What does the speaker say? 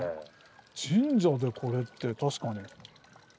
神社でこれって確かに。